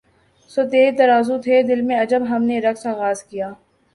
سو تیر ترازو تھے دل میں جب ہم نے رقص آغاز کیا